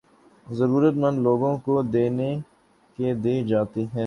ضرورت مند لوگوں کو دینے کے دی جاتی ہیں